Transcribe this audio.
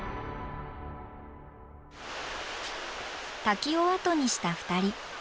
滝を後にした２人。